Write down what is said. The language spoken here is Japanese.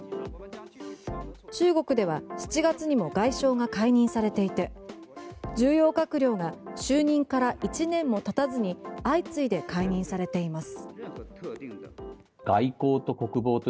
中国では７月にも外相が解任されていて重要閣僚が就任から１年も経たずに相次いで解任されています。